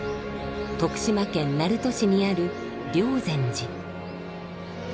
徳島県鳴門市にある霊山寺。